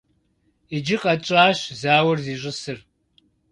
Иджы къэтщӀащ зауэр зищӀысыр.